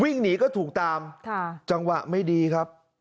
วิ่งหนีก็ถูกตามจังหวะไม่ดีครับ